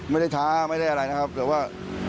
ไม่ได้ท้าไม่ได้อะไรนะครับแต่ว่า